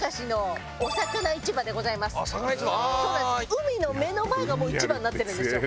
海の目の前がもう市場になってるんですよ。